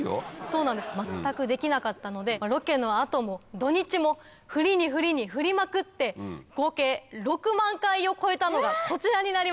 そうなんです全くできなかったのでロケの後も土・日も振りに振りに振りまくって合計６万回を超えたのがこちらになります。